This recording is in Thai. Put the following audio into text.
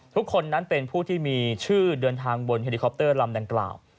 ทุกคนนั้นเป็นผู้ที่มีชื่อเดินทางบนเฮลิคอปเตอร์ลำดังกล่าว